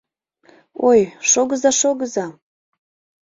Ой, шогыза, шогыза.